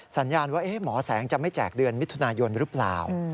สัญญาณว่าหมอแสงจะไม่แจกเดือนมิถุนายนหรือเปล่า